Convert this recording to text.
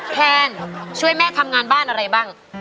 แพนช่วยแม่ทำงานบ้านอะไรบ้าง